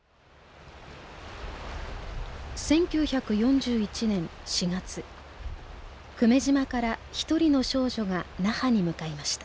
１９４１年４月久米島から一人の少女が那覇に向かいました。